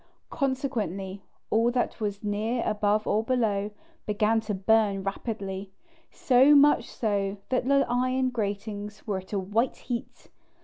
Consequently, all that was near, above or below, began to burn rapidly, so much so that the iron gratings were at a white heat.